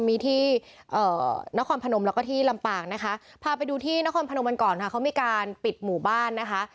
มีที่นครพนมแล้วก็ที่ลำปางนะคะพาไปดูที่นครพนมกันก่อนค่ะเขามีการปิดหมู่บ้านนะคะ